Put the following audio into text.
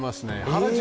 原宿